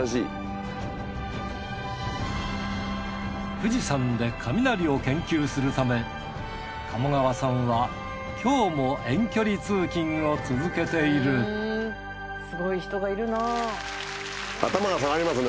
富士山で雷を研究するため鴨川さんは今日も遠距離通勤を続けている頭が下がりますね